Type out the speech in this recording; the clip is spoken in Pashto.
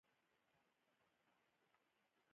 اصولو او اهدافو په باره کې وږغېږم.